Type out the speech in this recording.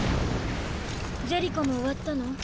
ジェリコも終わったの？